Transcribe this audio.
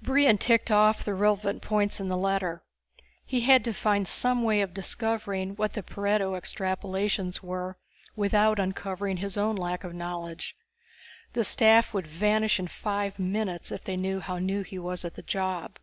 _ Brion ticked off the relevant points in the letter. He had to find some way of discovering what Pareto Extrapolations were without uncovering his own lack of knowledge. The staff would vanish in five minutes if they knew how new he was at the job.